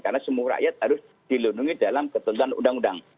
karena semua rakyat harus dilindungi dalam ketentuan undang undang